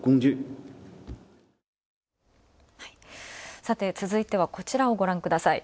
さて、続いては、こちらをご覧ください。